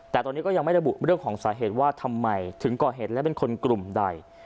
แต่ตอนนี้ก็ยังไม่ระบุเรื่องของสาเหตุว่าทำไมถึงก่อเหตุและเป็นคนกลุ่มใด